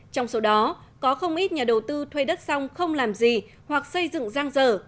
trong số đó có không ít nhà đầu tư thuê đất xong không làm gì hoặc xây dựng giang dở